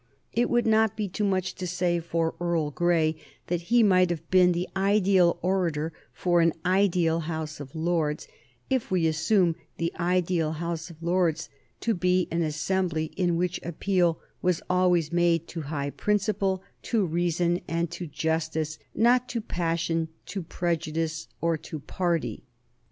It would not be too much to say for Earl Grey that he might have been the ideal orator for an ideal House of Lords, if we assume the ideal House of Lords to be an assembly in which appeal was always made to high principle, to reason, and to justice, not to passion, to prejudice, or to party.